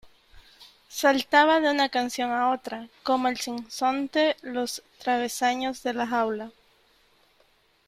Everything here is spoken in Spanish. saltaba de una canción a otra , como el sinsonte los travesaños de la jaula ,